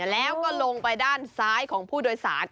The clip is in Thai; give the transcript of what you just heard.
แล้วก็ลงไปด้านซ้ายของผู้โดยสาร